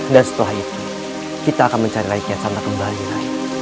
dan setelah itu kita akan mencari rai kian sangka kembali rai